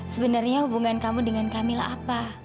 sebenarnya hubungan kamu dengan kamilah apa